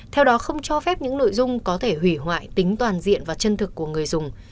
theo đó không cho phép những nội dung có thể hủy hoại tính toàn diện và chân thực của người dùng